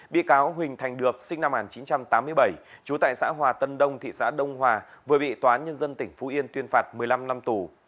bị cáo huỳnh thành được sinh năm một nghìn chín trăm tám mươi bảy trú tại xã hòa tân đông thị xã đông hòa vừa bị tòa án nhân dân tỉnh phú yên tuyên phạt một mươi năm năm tù